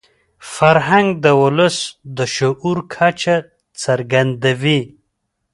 فرهنګ د ولس د شعور کچه څرګندوي.